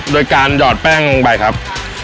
โดยการหยอดแป้งลงไปครับ